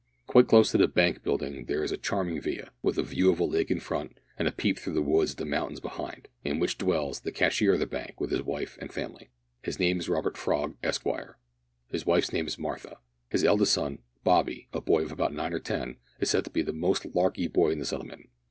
Quite close to the Bank buildings there is a charming villa, with a view of a lake in front and a peep through the woods at the mountains behind, in which dwells the cashier of the Bank with his wife and family. His name is Robert Frog, Esquire. His wife's name is Martha. His eldest son, Bobby a boy of about nine or ten is said to be the most larky boy in the settlement.